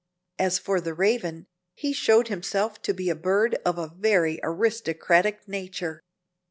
As for the Raven, he showed himself to be a bird of a very aristocratic nature.